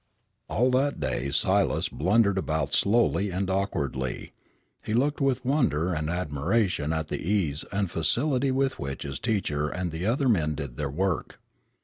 All that day as Silas blundered about slowly and awkwardly, he looked with wonder and admiration at the ease and facility with which his teacher and the other men did their work.